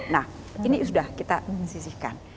nah ini sudah kita sisihkan